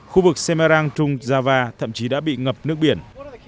khu vực semarang trung java thậm chí đã bị ngập nước biển